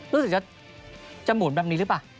รู้สึกจะหมุนแบบนี้หรือเปล่า